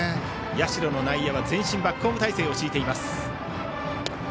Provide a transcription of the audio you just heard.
社の内野は前進バックホーム態勢を強いています。